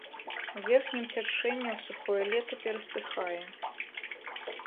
У верхнім цячэнні ў сухое лета перасыхае.